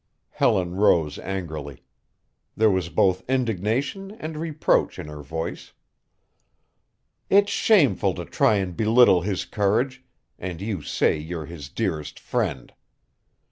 Helen rose angrily. There was both indignation and reproach in her voice. "It's shameful to try and belittle his courage, and you say you're his dearest friend."